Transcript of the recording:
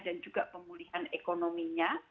dan juga pemulihan ekonominya